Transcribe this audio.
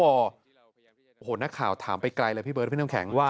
โอ้โหนักข่าวถามไปไกลเลยพี่เบิร์ดพี่น้ำแข็งว่า